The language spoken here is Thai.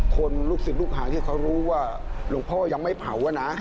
ลูกศิษย์ลูกหาที่เขารู้ว่าหลวงพ่อยังไม่เผานะ